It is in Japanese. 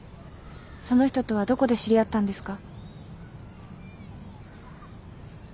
その人とはどこで知り合ったんですか？